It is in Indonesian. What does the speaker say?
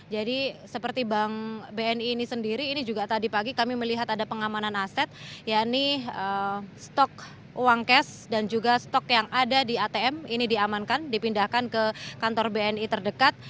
jadi seperti bank bni ini sendiri ini juga tadi pagi kami melihat ada pengamanan aset ya ini stok uang cash dan juga stok yang ada di atm ini diamankan dipindahkan ke kantor bni terdekat